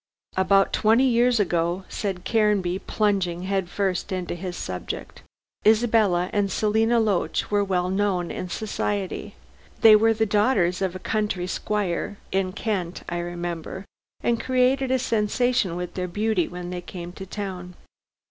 "About twenty years ago," said Caranby, plunging headfirst into his subject, "Isabella and Selina Loach were well known in society. They were the daughters of a country squire Kent, I remember and created a sensation with their beauty when they came to town.